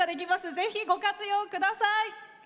ぜひご活用ください。